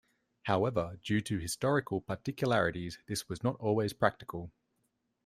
However, due to historical particularities, this was not always practical.